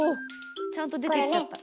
ちゃんと出てきちゃった。